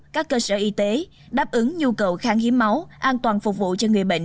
các cơ sở y tế đáp ứng nhu cầu kháng hiếm máu an toàn phục vụ cho người bệnh